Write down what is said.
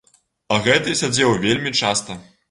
А гэты сядзеў вельмі часта.